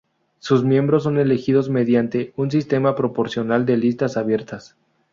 Sus miembros son elegidos mediante un sistema proporcional de listas abiertas.